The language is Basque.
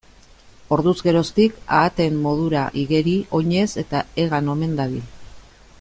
Orduz geroztik, ahateen modura igeri, oinez eta hegan omen dabil.